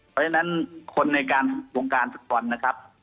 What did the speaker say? เพราะฉะนั้นคนในการวงการศึกวรนะครับ